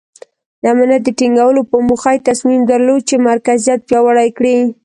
د امنیت د ټینګولو په موخه یې تصمیم درلود چې مرکزیت پیاوړی کړي.